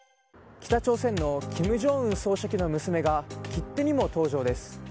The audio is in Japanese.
北朝鮮の金正恩総書記の娘が切手にも登場です。